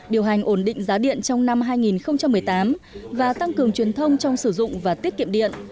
điều hành ổn định giá điện trong năm hai nghìn một mươi tám và tăng cường truyền thông trong sử dụng và tiết kiệm điện